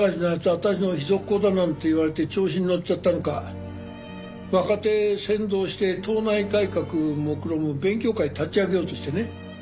私の秘蔵っ子だなんて言われて調子にのっちゃったのか若手先導して党内改革をもくろむ勉強会立ち上げようとしてね